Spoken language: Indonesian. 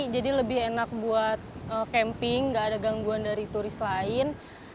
jadi lebih enak buat camping gak ada gangguan dari turis lain